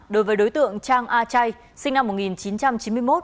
đối với đối tượng trang a chay sinh năm một nghìn chín trăm chín mươi một